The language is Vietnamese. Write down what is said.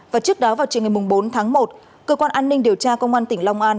và trước đó vào chiều ngày bốn tháng một cơ quan an ninh điều tra công an tỉnh long an